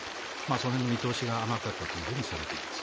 その辺の見通しが甘かったとされています。